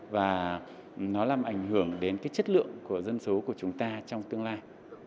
và nó làm ảnh hưởng đến cái chất lượng của dân số của chúng ta trong tương lai